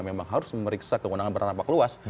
memang harus memeriksa kewenangan bernampak luas